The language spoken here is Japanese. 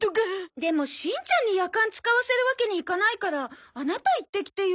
でもしんちゃんにやかん使わせるわけにいかないからアナタ行ってきてよ。